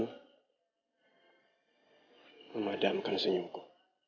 dia memadamkan senyumku